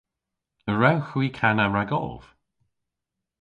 A wrewgh hwi kana ragov?